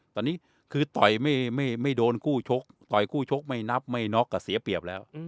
ตอนนี้คือต่อยไม่โดนคู่ชกต่อยคู่ชกไม่นับไม่น็อกเสียเปรียบแล้ว